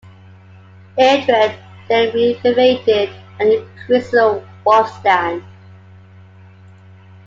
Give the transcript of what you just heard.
Eadred then re-invaded and imprisoned Wulfstan.